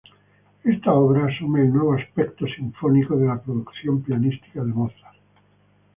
Esta obra asume el nuevo aspecto sinfónico de la producción pianística de Mozart.